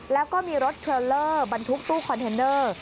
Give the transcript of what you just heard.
แล้วก็มีรถเทรลเลอร์บรรทุกตู้คอนเทนเนอร์